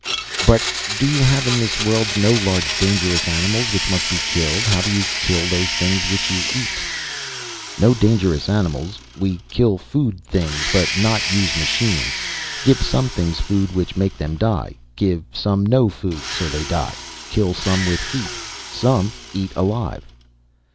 "But do you have in this world no large, dangerous animals which must be killed? How do you kill those things which you eat?" "No dangerous animals. We kill food things, but not use machines. Give some things food which make them die. Give some no food, so they die. Kill some with heat. Some eat alive."